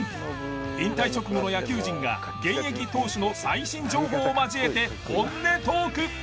引退直後の野球人が現役投手の最新情報を交えて本音トーク！